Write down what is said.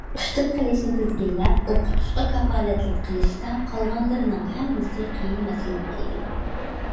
ئوقۇشتىن قېلىشنى تىزگىنلەپ، ئوقۇتۇشقا كاپالەتلىك قىلىشتا قالغانلىرىنىڭ ھەممىسى قىيىن مەسىلىلەر ئىدى.